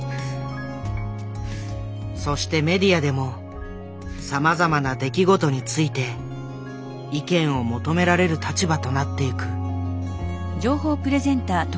そしてメディアでもさまざまな出来事について意見を求められる立場となっていく。